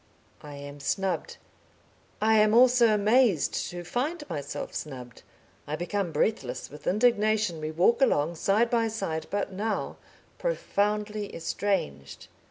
I am snubbed. I am also amazed to find myself snubbed. I become breathless with indignation. We walk along side by side, but now profoundly estranged.